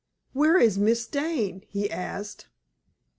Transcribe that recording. "Where is Miss Dane?" he asked.